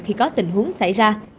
khi có tình huống xảy ra